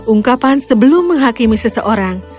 ungkapan sebelum menghakimi seseorang